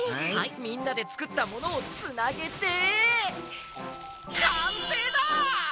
みんなでつくったものをつなげてかんせいだ！